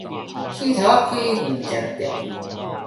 起頭仔開毋成店